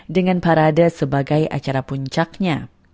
dengan parade sebagai acara puncaknya